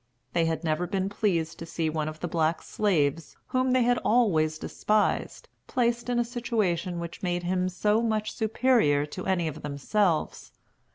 They had never been pleased to see one of the black slaves, whom they had always despised, placed in a situation which made him so much superior to any of themselves.